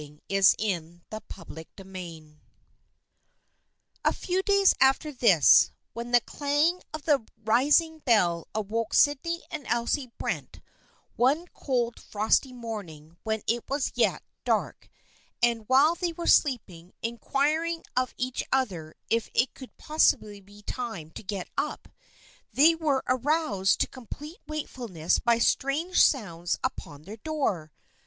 Ruth was silent. CHAPTER XVII A FEW days after this, when the clang of the rising bell awoke Sydney and Elsie Brent one cold frosty morning while it was yet dark, and while they were sleepily inquiring of each other if it could possibly be time to get up, they were aroused to complete wakefulness by strange sounds upon their door.